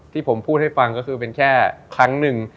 ที่ผมพูดให้ฟังก็คือเป็นแค่ครั้งหนึ่ง